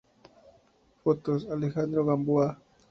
Fotos: Alejandro Gamboa.